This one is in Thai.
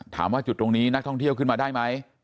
ถามว่าจุดตรงนี้นักท่องเที่ยวขึ้นมาได้ไหม